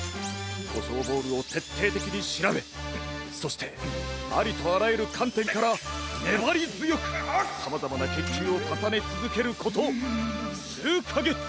コショウボールをてっていてきにしらべそしてありとあらゆるかんてんからねばりづよくさまざまなけんきゅうをかさねつづけることすうかげつ。